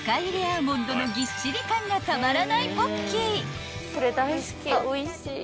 アーモンドのぎっしり感がたまらないポッキー］